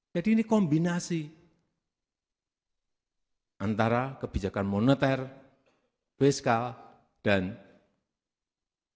jadi ini kombinasi antara kebijakan moneter peska dan ngecekkan